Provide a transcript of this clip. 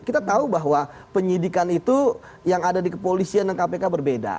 kita tahu bahwa penyidikan itu yang ada di kepolisian dan kpk berbeda